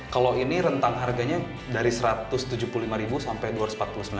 kalau ini rentang harganya dari rp satu ratus tujuh puluh lima sampai rp dua ratus empat puluh sembilan